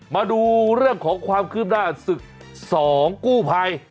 มาดูเรื่องของความคืบหน้าศึก๒กู้ภัย